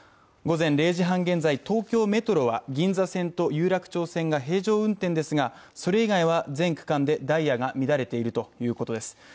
午前０時半現在東京メトロは、銀座線と有楽町線が平常運転ですがそれ以外は全区間でダイヤが乱れているということです